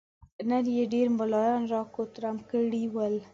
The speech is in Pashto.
نن يې ډېر ملايان را کوترم کړي ول.